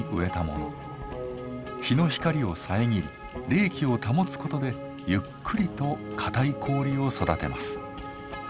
日の光を遮り冷気を保つことでゆっくりと硬い氷を育てます。